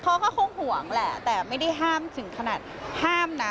เขาก็คงห่วงแหละแต่ไม่ได้ห้ามถึงขนาดห้ามนะ